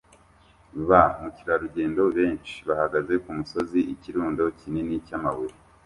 Ba mukerarugendo benshi bahagaze kumusozi ikirundo kinini cyamabuye